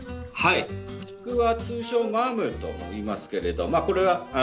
菊は通称マムといいますけれども。